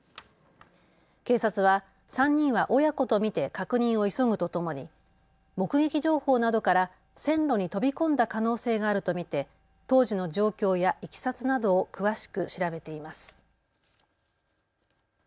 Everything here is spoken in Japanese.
警察は３人は親子と見て確認を急ぐとともに目撃情報などから線路に飛び込んだ可能性があると見て当時の状況やいきさつなどを詳しく調べています。